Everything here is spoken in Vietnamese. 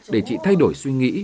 để chị thay đổi suy nghĩ